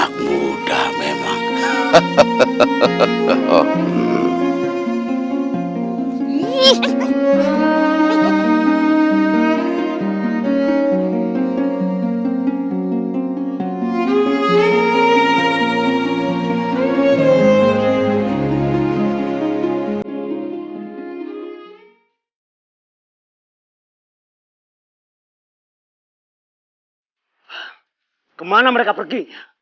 kemana mereka pergi